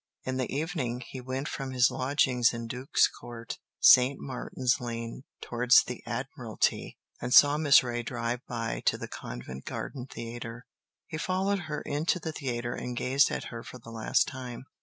In the evening he went from his lodgings in Duke's Court, St. Martin's Lane, towards the Admiralty, and saw Miss Reay drive by to the Covent Garden Theatre. He followed her into the theatre and gazed at her for the last time.